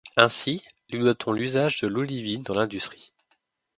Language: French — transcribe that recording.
Ainsi lui doit-on l'usage de l'olivine dans l'industrie.